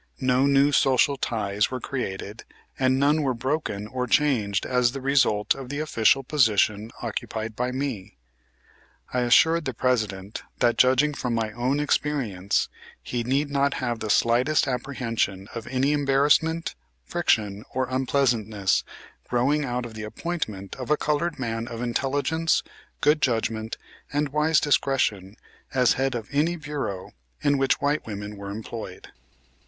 No new social ties were created and none were broken or changed as the result of the official position occupied by me. I assured the President, that, judging from my own experience, he need not have the slightest apprehension of any embarrassment, friction or unpleasantness growing out of the appointment of a colored man of intelligence, good judgment and wise discretion as head of any bureau in which white women were employed.